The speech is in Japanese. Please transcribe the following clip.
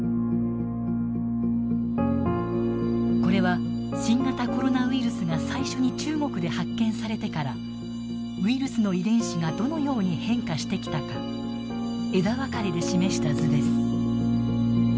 これは新型コロナウイルスが最初に中国で発見されてからウイルスの遺伝子がどのように変化してきたか枝分かれで示した図です。